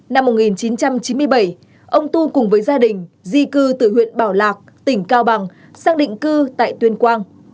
năm một nghìn chín trăm chín mươi bảy ông tu cùng với gia đình di cư từ huyện bảo lạc tỉnh cao bằng sang định cư tại tuyên quang